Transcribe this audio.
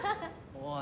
おい！